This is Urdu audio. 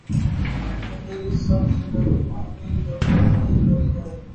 تو پھر اسے سب سے پہلے معاشرے کی تربیت کرنی چاہیے۔